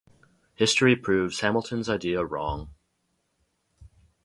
History proves Hamilton's idea wrong.